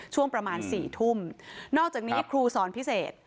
ช่วงประมาณสี่ทุ่มนอกจากนี้ครูสอนพิเศษ